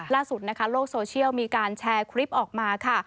ล่าสุดนะคะโลกโซเชียลมีการแชร์คลิปออกมาค่ะ